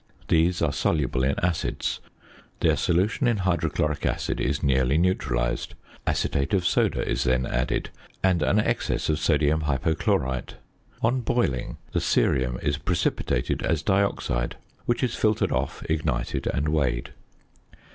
These are soluble in acids. Their solution in hydrochloric acid is nearly neutralised; acetate of soda is then added, and an excess of sodium hypochlorite. On boiling, the cerium is precipitated as dioxide, which is filtered off, ignited, and weighed.